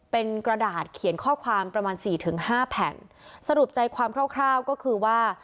เป็นกระดาษเขียนข้อความประมาณสี่ถึงห้าแผ่นสรุปใจความคร่าวคร่าวก็คือว่า